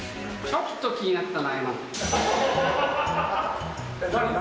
ちょっと気になったな、何？